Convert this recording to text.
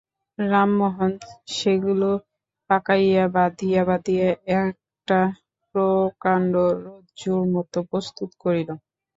রামমোহন সেগুলি পাকাইয়া বাঁধিয়া বাঁধিয়া একটা প্রকাণ্ড রজ্জুর মতো প্রস্তুত করিল।